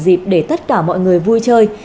dịp để tất cả mọi người vui chơi